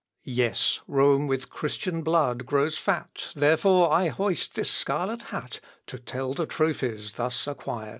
Yes, Rome with Christian blood grows fat! Therefore I hoist this scarlet hat, To tell the trophies thus acquired.